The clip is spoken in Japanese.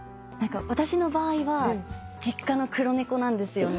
私の場合は実家の黒猫なんですよね。